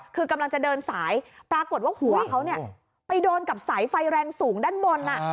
คือกำลังจะเดินสายปรากฏว่าหัวเขาไปโดนกับสายไฟแรงสูงด้านบน